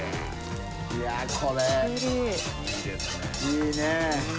いいね。